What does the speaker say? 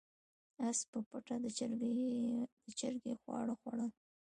اس په پټه د چرګې خواړه خوړل.